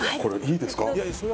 いいですか。